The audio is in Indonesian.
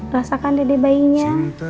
rasakan dede bayinya